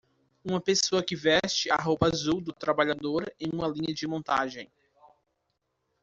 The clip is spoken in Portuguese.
Uma pessoa que veste a roupa azul do trabalhador em uma linha de montagem.